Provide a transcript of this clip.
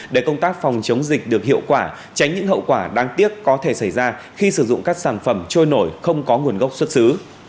để công tác phòng chống dịch được hiệu quả tránh những hậu quả đáng tiếc có thể xảy ra khi sử dụng các sản phẩm trôi nổi không có nguồn gốc xuất xứ